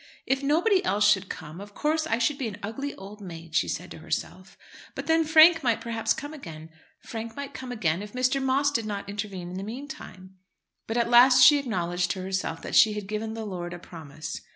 "If nobody else should come, of course I should be an ugly old maid," she said to herself; "but then Frank might perhaps come again, Frank might come again, if Mr. Moss did not intervene in the meantime." But at last she acknowledged to herself that she had given the lord a promise.